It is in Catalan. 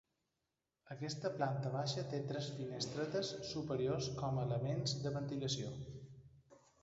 Aquesta planta baixa té tres finestretes superiors com a elements de ventilació.